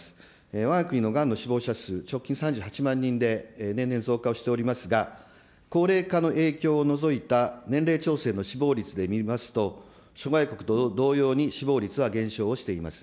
わが国のがんの死亡者数、直近３８万人で、年々増加をしておりますが、高齢化の影響を除いた年齢調整の死亡率で見ますと、諸外国と同様に、死亡率は減少をしております。